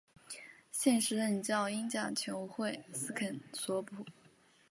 现时任教英甲球会斯肯索普。